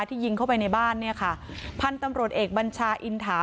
ที่ยิงเข้าไปในบ้านเนี่ยค่ะพันธุ์ตำรวจเอกบัญชาอินถา